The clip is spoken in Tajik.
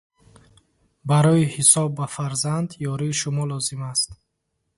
Барои ҳисоб ба фарзанд ёрии шумо лозим аст.